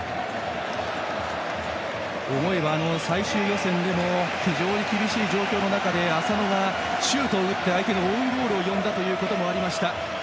思えば、最終予選でも非常に厳しい状況の中で浅野がシュートを打って相手のオウンゴールを呼んだこともあった。